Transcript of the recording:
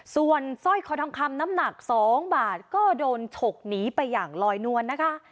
ส่วนสร้อยคอทองคำน้ำหนัก๒บาทก็โดนฉกหนีไปอย่างลอยนวลนะคะ